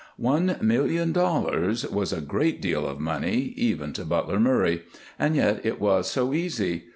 One million dollars was a great deal of money, even to Butler Murray, and yet it was so easy!